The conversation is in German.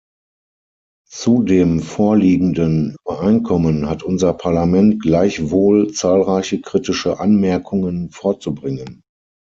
Zu dem vorliegenden Übereinkommen hat unser Parlament gleichwohl zahlreiche kritische Anmerkungen vorzubringen.